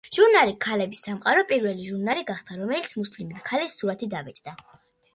ჟურნალი „ქალების სამყარო“, პირველი ჟურნალი გახდა, რომელიც მუსლიმი ქალის სურათი დაბეჭდა.